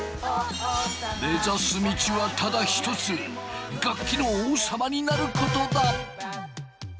目指す道はただ一つ楽器の王様になることだ！